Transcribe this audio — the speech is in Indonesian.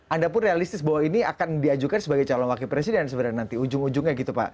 anda pun realistis bahwa ini akan diajukan sebagai calon wakil presiden sebenarnya nanti ujung ujungnya gitu pak